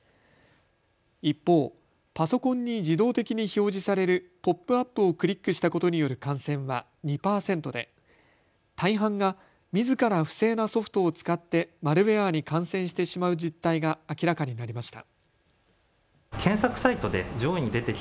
一方、パソコンに自動的に表示されるポップアップをクリックしたことによる感染は２％で大半が、みずから不正なソフトを使ってマルウエアに感染してしまう実態が明らかになりました。